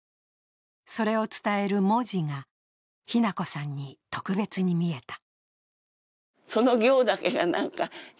それを伝える文字が、日奈子さんに特別に見えた。